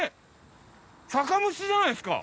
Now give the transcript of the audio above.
酒蒸しじゃないですか！